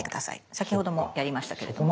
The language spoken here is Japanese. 先ほどもやりましたけれども。